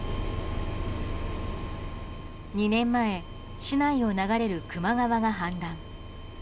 ２年前、市内を流れる球磨川が氾濫。